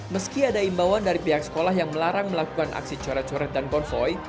meski ada imbauan dari pihak sekolah yang melarang melakukan aksi coret coret dan konvoy